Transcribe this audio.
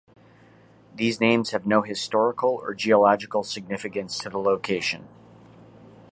These names have no historical or geological significance to the location.